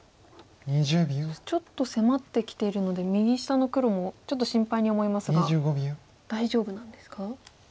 そしてちょっと迫ってきているので黒もちょっと心配に思いますが大丈夫なんですか？